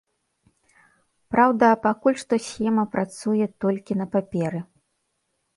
Праўда, пакуль што схема працуе толькі на паперы.